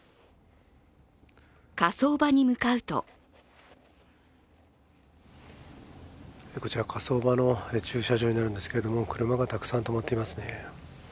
火葬場に向かうとこちら火葬場の駐車場になるんですけれども、車がたくさん止まっていますね。